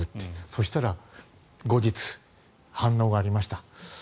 そしたら、後日反応がありました。